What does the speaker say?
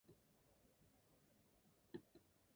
She also enjoyed playing netball and hockey.